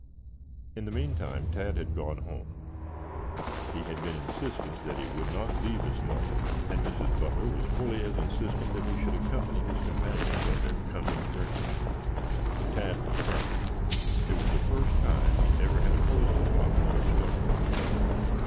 In the meantime, Tad had gone home. He had been insistent that he would not leave his mother, and Mrs. Butler was fully as insistent that he should accompany his companions on their coming journey. But Tad was firm. It was the first time he ever had opposed his mother so stubbornly.